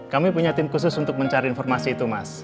kami punya tim khusus untuk mencari informasi itu mas